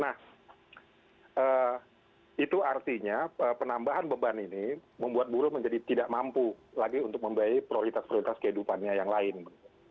nah itu artinya penambahan beban ini membuat buruh menjadi tidak mampu lagi untuk membaik prioritas prioritas kehidupannya yang lain